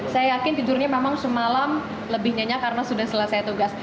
saya yakin tidurnya memang semalam lebih nyenyak karena sudah selesai tugas